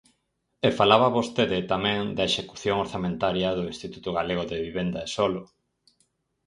E falaba vostede, tamén, da execución orzamentaria do Instituto Galego de Vivenda e Solo.